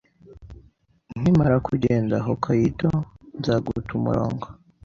Nkimara kugera Hokkaido, nzaguta umurongo